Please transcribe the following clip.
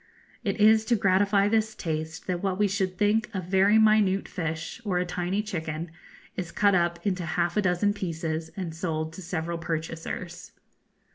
It is to gratify this taste that what we should think a very minute fish, or a tiny chicken, is cut up into half a dozen pieces and sold to several purchasers.